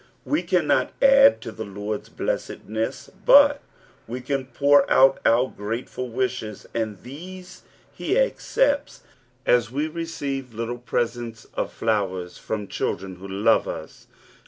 We cannot add tu the Lord's blessedness, but ■ve can (lour out our grateful wishes, and these he accepts, as we leceive little presents of flowers from children who love us.